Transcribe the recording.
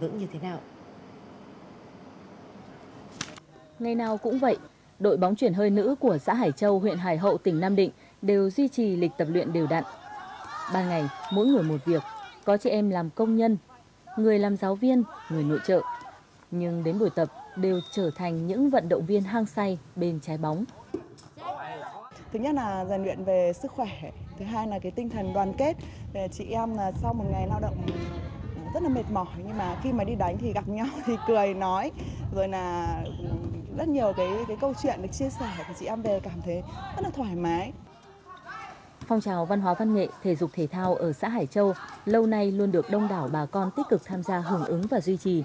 phong trào văn hóa văn nghệ thể dục thể thao ở xã hải châu lâu nay luôn được đông đảo bà con tích cực tham gia hưởng ứng và duy trì